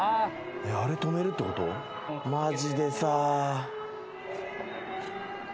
マジでさ。